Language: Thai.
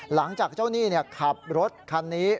หลังจากเจ้าหนี้ขับรถคันนี้